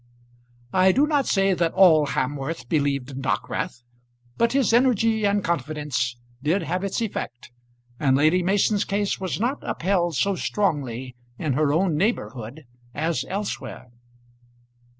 I do not say that all Hamworth believed in Dockwrath, but his energy and confidence did have its effect, and Lady Mason's case was not upheld so strongly in her own neighbourhood as elsewhere.